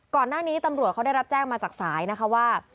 ก่อนหน้านี้ตำรวจเขาได้รับแจ้งมาจากสายนะคะว่า